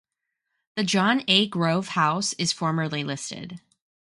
The John A. Grove House is formerly listed.